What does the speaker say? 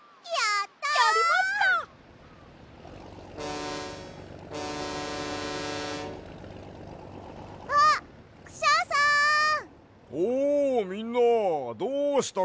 やった！